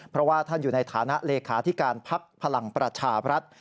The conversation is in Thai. เพราะว่าท่านอยู่ในฐานะเลขาธิการภักดิ์พลังประชาบรัฐ